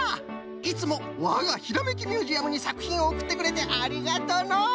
いつもわがひらめきミュージアムにさくひんをおくってくれてありがとの！